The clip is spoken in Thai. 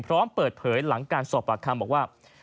พร้อมเปิดเผยหลังการสอบปากคำบอกว่า